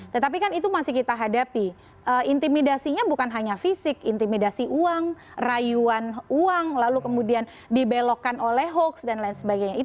tetapi kan itu masih kita hadapi intimidasinya bukan hanya fisik intimidasi uang rayuan uang lalu kemudian dibelokkan oleh hoaks dan lain sebagainya